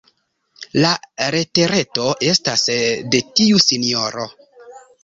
La letereto estas de tiu sinjoro.